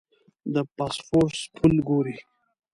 د باسفورس پل ګورې.